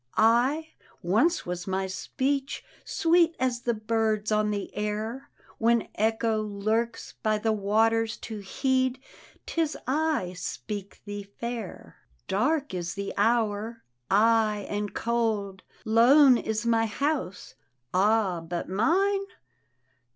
"" I, — once was my speech Sweet as the bird's on the air. When echo lurks by the waters to heed; 'TIS I speak thee fair." D,gt,, erihyGOOgle The Haunted Hour "Dark is the hour!" "Aye, and cold." " Lone is my house." " Ah, but mine